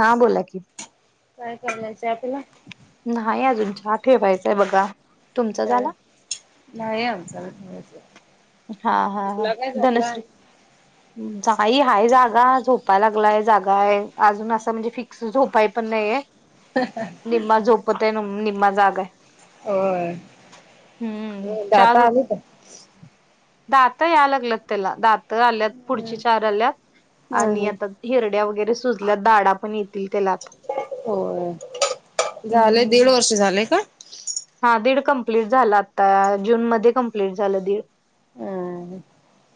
हा, बोला कि? काय करणार चहा पिला? नाही अजून चाहा ठेवायचंय बघा. तुमचा अ झाला नाहीमग [unintelligible] हा, हा, हा, धनश्री- नाही, हाय जागा झोपाय लागलाय, जागा हाय अजून असं म्हणजे फिक्स झोपाय पण नाहीय. निम्मा झोपत आहे, निम्मा जागा आहे. होय हम्म दाता चार आली का? [unintelligible] दात याय लागल्यात त्याला, दात आलं- पुढची चार आल्यात हा आणि हा आता हिरड्या वगैरे सुजल्यात दाडा पण येतील त्याला आता. होय, झालंय दीड हम्म वर्ष झालंय का? हा, दीड कमप्लीट झालं आता जून मध्ये कंप्लीट झालं दीड. हम्म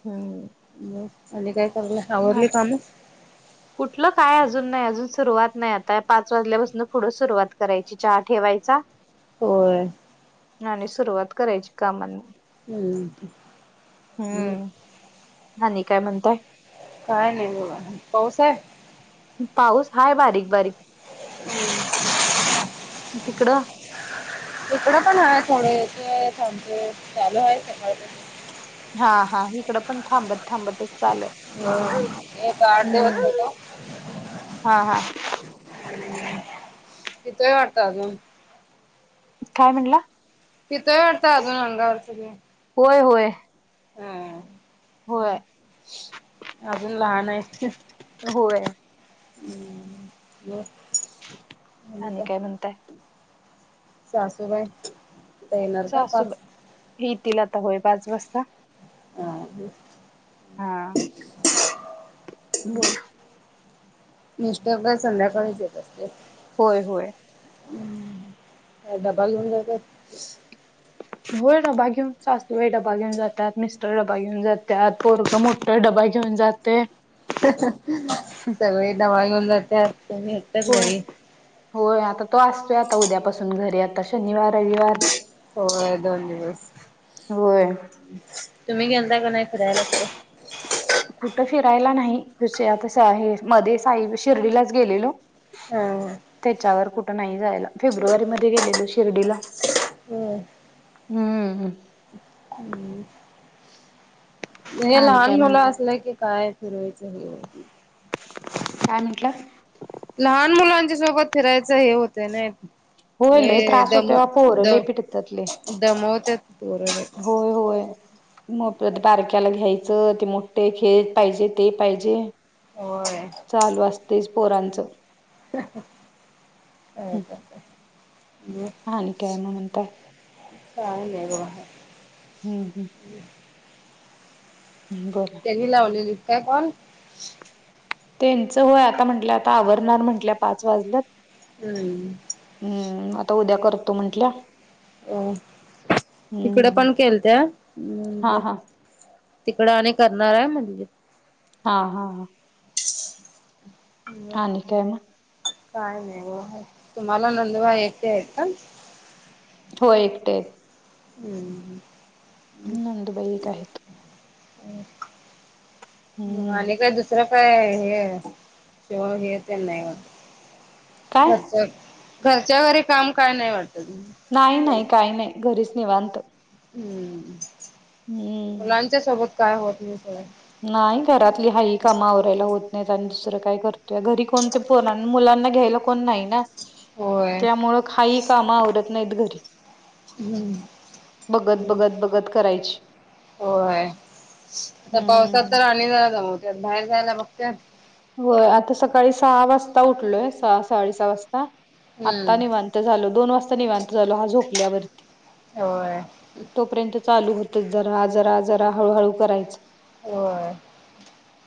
हम्. मग आणि काय करालाय, आवरली काम? [inaudible] कुठलं काय, अजून नाही अजून सुरुवात नाही, आता पाच वाजल्यापासून पुढं सुरुवात करायची चहा ठेवायचा, [inaudible] होय. आणि सुरुवात करायची कामांना. हम्. हम्म आणि काय म्हणताय? काय नाही बघा, पाऊस हाय? पाऊस हाय बारीक, बारीक तिकडं? इकडं पण आहे थोडेथ ज चालू आहे सकाळी प [unintelligible] हा, हा, इकडं पण थांबत थांबतच चालू हाय. हो, एक आठ दिवस होतो. हा, हा. कथोय वारता अजून [unintelligible] काय म्हंटला? तिथंही वाटतं अजून अंगावर सगळे [unintelligible] होय. होय. ह.. होय आजून लहान हाय. होय. ब आणि का काय [unintelligible] म्हणताय सासूबाई? ते येणार का पाच सासूबाई येतील आता होय पाच वाजता. [unintelligible] हा. बोला. मिस्टर काय संध्याकाळीच येतात असतील. होय होय. हम्म काय डब्बा घेऊन जात व्हय डब्बा घेऊन सासूबाई डब्बा घेऊन जात्यात मिस्टर डब्बा घेऊन जात्यात. पोरग मोठा डब्बा घेऊन जातय. सगळे डब्बा घऊन जात्यात कणी. होय होय आता तो असतोय आता उद्यापासून घरी आता शनिवार रविवार. होय दोन दिवस होय तुम्ही गेलता का नाही फिरायला कुठ. [inaudible] कुठं फिरायला नाही क आता हे मध्ये साईब शिर्डीलाच गेलेलो हा त्याच्यावर कुठं नाही जायला फेब्रुवारी मध्ये गेलेलो शिर्डीला. हम्म मम. हम्म. हे आणि काय लहान मुलं म्हणत असलं की काय फिरवायचं हे होता काय म्हंटला. लहान मुलांच्या सोबत फिरायचं हे होतय ने होय लय नाही त्रास दम होतोय पोर लय द पिडतात लय दुमवत्यात पोरं लई होय होय. मग [unintelligible] बारक्याला घ्यायचं ते मोठे हे एक पाहिजे ते पाहिजे. व्हय. चालू असतयच पोरांचं. [unintelligible] मग हा आणि काय म्हणून काय. काय नाही बगा. हम्म हम्म. [inaudible] बरं. ही लावलेलीस काय कॉल. त्यांचं व्हय आता म्हटलं आता आवरणार म्हटल्या पाच वाजल्यात. हम्म. हम्म आता उद्या करतो म्हंटल्या. अ तिकड हम्म पण केलत्या हा म्हंटल्या हा तिकडं आणि करणार आहे म्हणलीत. हा हा हा. [inaudible] आणि काय म. काय नाही व्हा तुम्हाला नंदुबाई एकट्या आहेत का. हो एकटे आहेत. हम्म. नंदुबाई एक आहेत मग हम्म आणि काय दुसरं काय हे शेवण हेे तेन नाही वाटतं. काय करतोय घरच्या घरी काम काय नाही वाटत तुही नाही नाही काही नाही घरीच निवांत. हम्म हम्म मुलांच्या सोबत काय होत नाही सगळ नाही घरातली हाई कामवरायला होत नाहीत आणि दुसरं काय करतोय घरी कोणते फोनान मुलांना घ्यायला कोण नाही ना. होय त्यामुळं खाही काम आवडत नाहीत घरी. हम्म बघत बघत बघत करायची. होय आता पावसात तर हम्म आणि झा मग त्यात बाहेर जायला बघते होय आता सकाळी सहा वाजता उठलोय सहा सडे सहा वाजता हम्म. आता निवांत झालो दोन वाजता निवांत झालो हा झोपल्यावरती होय तोपर्यंत चालू होतच जरा जरा जरा हळूहळू करायच होय.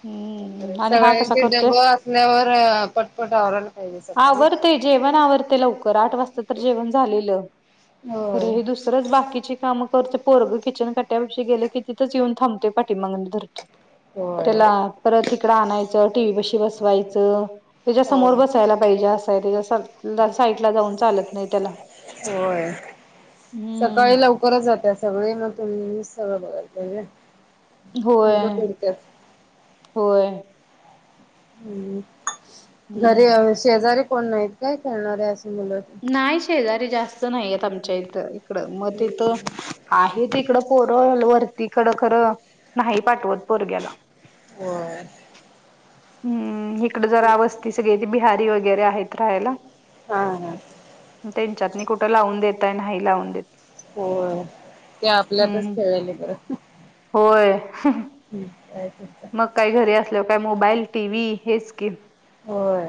हम्म आणि हा कसा सगळ्यांचे डबं असल्यावर पटपट आवरायला पाहिजे सकाळी. आवरते जेवण आवरते लवकर आठ वाजता जेवण झालेलं ख होय हे दुसरंच बाकी काम करते पोरग किचन काट्यापे गेले कितीतच येऊन थांबते पाठीमागणी धरते होय त्याला परत इकड आणायचं टीव् बशी बसवायचं त्याच्या समोर बसायला पाहिजे असंय त्याच्या साईट ला जाऊन चालत नाही त्याला होय सकाळी हम्म लव परत होात सगळे मग तुम्ही सगळं बघायला पाहिजे होय मुलं पिडत्यात होय हम्म घरी हम्म शेजारे कोण नाहीत काय खेळणारे असे मुलं नाही शेजारी जास्त नाहीेत आमच्या इथं इकडं मग तिथं आहे त इिकडं पोर वरती खडं खरं नाही पाठवत पोरग्याला होय हम्म इकडं जरावस् त सगळी त बिहारी वगैरे आहेत राहायला हा ह त्यांच्यात मी कुठं लावून देतय नाही लावून देत हो ते आपल्यातच हम्म ठेवाले बं होय ठीक आहेय मग काही घरी असल्यावर काय मोबाईल टी व्ही हेच कीम होय.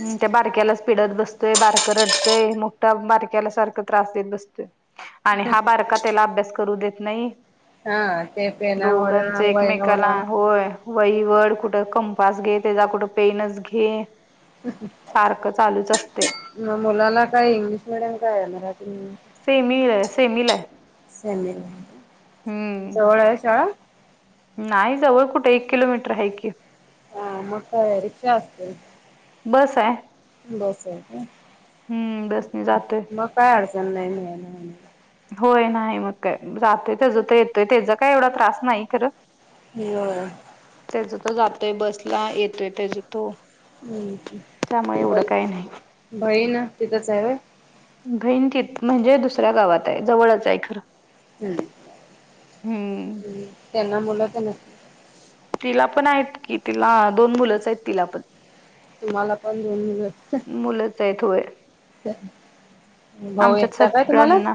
हम्म त्या बारक्यालाच स्पीडत बसतोय बारकं रडतंय मोठ्या बारक्याला सारखं त्रास देत बसतोय आणि हा बारका त्याला अभ्यास करू देत नाही हा ते पेनावडा दोघांचे एकमेकाला वयनावडा होय वई व कुठं कंपास घे त्याचा कुठं पेनच घे सारखं चालूच असते ना मुलाला काय इंग्लिश मिीडियम काय आहे मराठीय सेमीला सेमीिलाय म जवळ आहे चळ नाही जवळ कुठे एक किलोमीटर आहे की हा मठ रिक्षा असते बस आहे बस आहे का हम्म बसने जातोय मग काय अडचण नाही निळाला म्ह होय नाही मग काय जातोय त्याचं तर येतोय त्याचा काय एवढा त्रास नाही खरं ह त्याचा तो जातोय बसला येतोय त्याचा तो त्यामुळे हम्म एवढं बई काही नाही बहीण ना तिथंच आहे बहीण तितच म्हणजे दुसऱ्या गावात आहे जवळच आहे खरं हम्म हम्म हम् त्यांना मुलं तर न तिला पण आहेत कि तिला दोन मुलंच आहेत तिला पण तुम्हाला पन दोन मुलं मुलंच आहेत होय भाऊ आमच्यात एकट काय तुम्हाला सगळ्यांना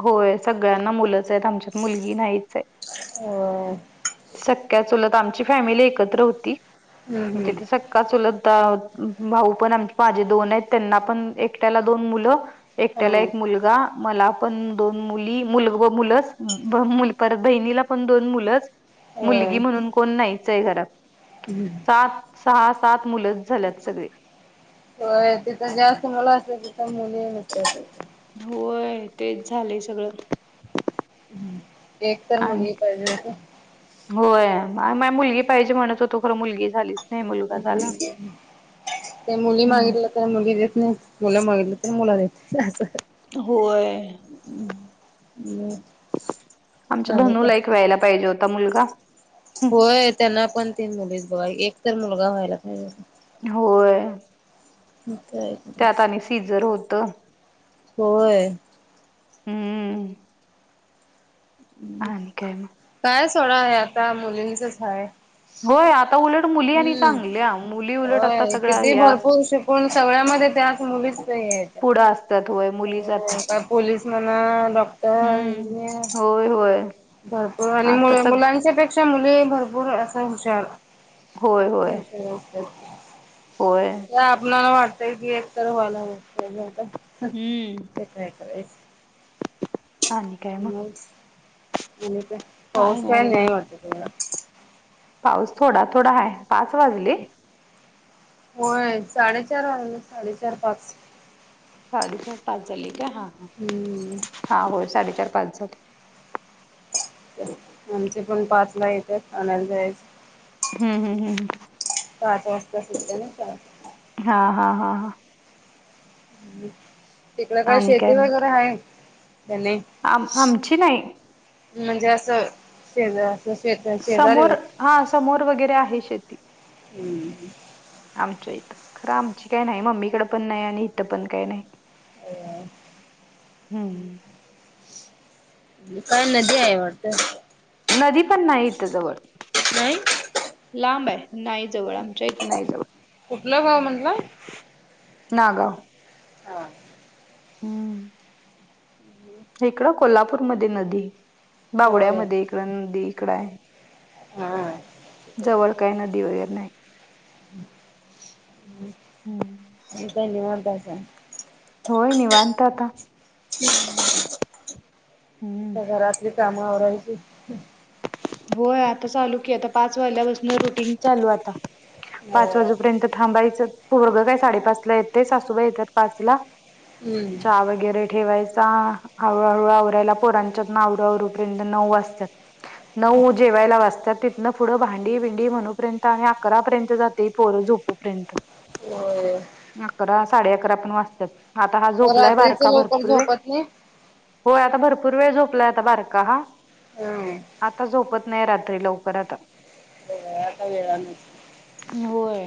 होय सगळ्यांना मुलंच आहेत आमच्यात मुलगी नाहीच आहे होय सख्या चुलत आमची फॅमिली एकत्र हम्म हम्म होतीथ का चलत भाऊ पण आम माझे दोन आहेत त्यांना पण एकट्याला दोन मुलं हा एकट्याला एक मुलगा मला पण दोन मुली मुलगो मुलंच ब मुल परत बहिणीला पण दोन मुलंच. मुलगी होय. म्हणून कोण नाहीच आहे घरात. हम्म. सात, सहा, सात मुलंच झाल्यात सगळी. होय तिथं जास्त मुला असेल तिथं मुली नसत्यातच. होय तेच झालंय सगळं. ह एक तर आणि मुलगी पाहिजे होती. [inaudible] होय मा -माय मुलगी पाहिजे म्हणत होतो खरं मुलगी झाली च हम्म ते मुली मागित हम्म. ल्यात. त मुलीगी देत नाही मुलं मागितली तर मुल देत नाही असं. होय. हम्म अम [inaudible] आमच्या धनूला एक व्यायला पाहिजे होता मुलगा. हम्म. होय त्यांना पण तीन मुलीच बुआ एक तर मुलगा व्हायला पाहीजे होता. होय. ठीक आहे. त्यात आता णि सिझर होत. होय. हम्म. आणि काय मग काय सोडा आहे आता मुलींचच हाय. होय आत हम्म आता होय सगळ्या किती या भरपूर शिकून सगळ्यामध्ये त्याच मुली लई त्या पुढं असत्यात व्हय म अ काय पोलीस मना डॉक्टर हम्म इंजिनियर. होय होय. भरपूर आणि मु आता सग मुलांच्या पेक्षा मुली भरपूर अस हुशार. होय होय न [unintelligible] होय. त आपणाला वाटतय की एकत व्हायला हव हम्म [unintelligible] ते काययच. आणि काय मग आणि काय पाऊस काय नाही वाटत तुम्हाला. पाऊस थोडा थोडा हाय पाच वाजले. होय साडेचार वाजले साडेचार पाच. साडेचार पाच झालेकाय हा हा. हम्म. हा होय साडेचार पाच झाले. आमचे पण पाच ला येत्यात नायला जायचं. हम्म हम्म हम्म हम्म. पाच वाजता सुटत्या ना शाळा. [inaudible] हां हां हां हां. तिकड काय आणि शेती माहित वगैरे आहे. [unintelligible] त्याने आम आमची नाही. म्हणजे असं शेजार. समोर हा समोर वगैरे आहे शेती. हम्म हम्म. आमच्या इथं खरं आमची काय नाही मम्मीकडे पण नाही आणि इथं पण काय नाही. हम्म. काय नदी आहे वाटत. नदी पण नाही इथं जवळ नाही? लांब हाय. नाही जवळ, आमच्या इथं नाही कुठलं गाव म्हटला? जवळ नागांव. हा. हम्म! इकडं कोल्हापूर मध्ये नदी होय बावड्यामध्ये इकडं नदी इकड हाय. हा. जवळ काय नदी वगैरे नाही. आता काय निवांत हायसा? होय, निवांत आता. [unintelligible] हम्म. आता घरातली कामं आवरायची. होय, आता चालू की आता पाच वाजल्या पासून रुटीन चालू आता पाच वाजू होय. तोपर्यंत थांबायचं पोरगं काय साडेपाच ला येतंय सासूबाई येत्यात पाच ला. हम्म. चहा वगैरे? ठेवायचा हळूहळू आवरायला पोरांच्या तन आवरू आवरु पर्यंत नऊ वाजत्यात. नऊ जे जेवायला वाजत्यात तिथनं पुढं भांडी बिंडी म्हणू पर्यंत आणि अकरा पर्यंत जातयं ही पोर झोपू पर्यंत. व्हय. अकरा साडे अकरा पण वाजत्यात आता हा मग झोपलाय? रात्रीच बारका लवकर भरपूर वेळ. झोपत नाही? होय, आता भरपूर वेळ झोपलाय आता बारका हां. हम. आता झोपत नाही, रात्री लवकर आता. काय आता वेळानचं? होय.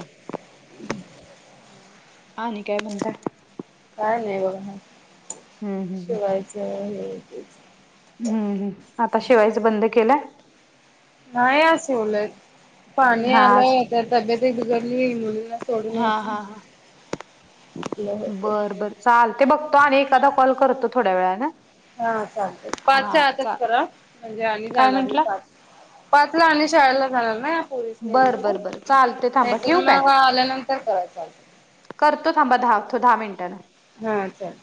आणि काय म्हणताय? काय नाही? बघा हम्म हम्म. शिवायचं हाय की. हम्म हम आता शिवायच बंद केलायं? नाही आज शिवलोय पाणी हा आज आलंय तर तब्येत एक बिघडली मुलं सोडून हा यायचं हा हा कुठलं होतयं. चालतयं बघतो आणि एखादा कॉल करतो थोड्या वेळा न. हा चालतयं पाचच्या आतच करा म्हणजे, आणि काय जाणार मी म्हंटला पाच पाचला आणि शाळेला जाणार ना पोरिसनी बर आणायला बर बर चालते नाही, थांबा तर ठेवू मग काय आल्या नंतर करा चालतयं. करतो थांबा द- दहा मिनिटानं. हा, चालतयं.